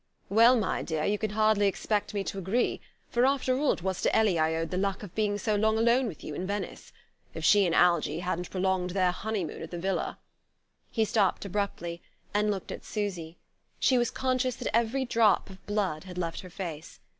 "Well, my dear, you can hardly expect me to agree, for after all it was to Ellie I owed the luck of being so long alone with you in Venice. If she and Algie hadn't prolonged their honeymoon at the villa " He stopped abruptly, and looked at Susy. She was conscious that every drop of blood had left her face.